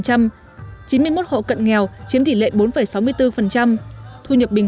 chín mươi một hộ cận nghèo chiếm tỷ lệ bốn sáu mươi bốn